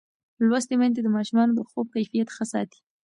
لوستې میندې د ماشومانو د خوب کیفیت ښه ساتي.